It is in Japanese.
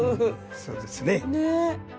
そうですね。